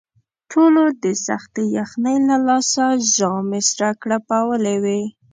ټولو د سختې یخنۍ له لاسه ژامې سره کړپولې وې.